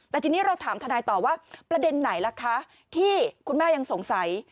แต่ทีนี้เราถามทนายต่อว่าประเด็นไหนล่ะคะที่คุณแม่ยังสงสัย